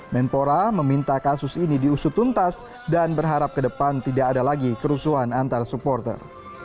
menpora meminta kasus ini diusut tuntas dan berharap ke depan tidak ada lagi kerusuhan antar supporter